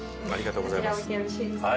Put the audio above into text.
置いてよろしいですか？